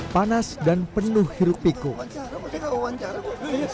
panas dan penuh hiruk pikuk